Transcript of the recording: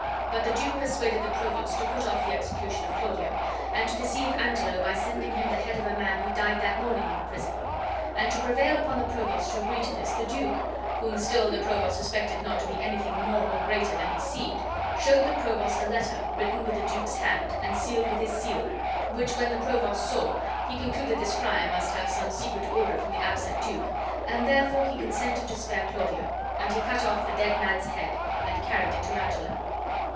But the duke persuaded the provost to put off the execution of Claudio, and to deceive Angelo by sending him the head of a man who died that morning in the prison. And to prevail upon the provost to agree to this, the duke, whom still the provost suspected not to be anything more or greater than he seemed, showed the provost a letter written with the duke's hand, and sealed with his seal, which when the provost saw, he concluded this friar must have some secret order from the absent duke, and therefore he consented to spare Claudio; and he cut off the dead man's head and carried it to Angelo.